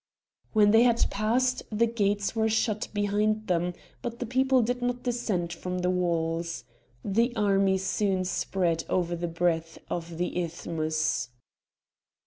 When they had passed, the gates were shut behind them, but the people did not descend from the walls. The army soon spread over the breadth of the isthmus.